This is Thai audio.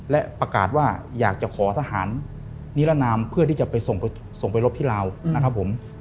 และประกาศว่าอยากจะขอทหารนิรนามเพื่อที่จะไปส่งไปรบที่ลาวนะครับผม